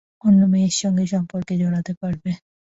অন্য মেয়ের সাথে সম্পর্কে জড়াতে পারবে।